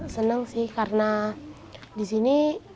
senang sih karena di sini